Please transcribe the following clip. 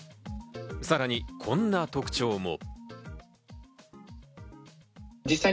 さらにこんな特徴も。